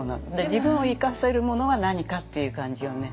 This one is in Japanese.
自分を生かせるものは何かっていう感じをね